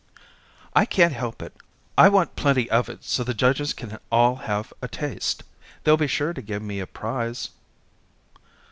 "I can't help it. I want plenty of it so the judges can all have a taste. They'll be sure to give me a prize."